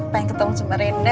pengen ketemu semarin